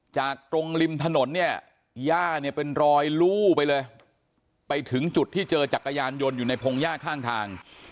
จากตรงริมถนนย่าเป็นรอยลูไปเลยไปถึงจุดที่เจอจักรยานยนต์อยู่ในพงศ์ย่าข้างทาง